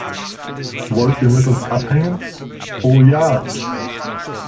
Wollt ihr mit uns abhängen? Oh, ja!